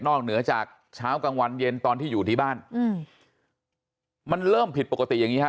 เหนือจากเช้ากลางวันเย็นตอนที่อยู่ที่บ้านอืมมันเริ่มผิดปกติอย่างงี้ฮะ